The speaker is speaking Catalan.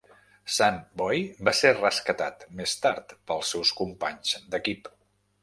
Sun Boy va ser rescatat més tard pels seus companys d'equip.